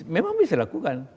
memang bisa dilakukan